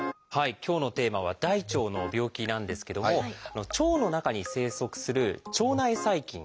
今日のテーマは大腸の病気なんですけども腸の中に生息する腸内細菌。